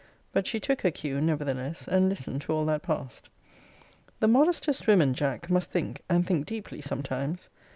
But she took her cue, nevertheless, and listened to all that passed. The modestest women, Jack, must think, and think deeply sometimes.